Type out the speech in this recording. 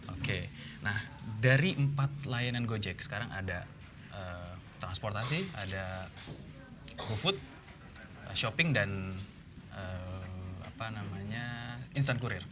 oke nah dari empat layanan gojek sekarang ada transportasi ada food shopping dan apa namanya instant courier